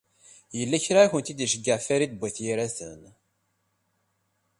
Yella kra i akent-id-iceyyeɛ Farid n At Yiraten.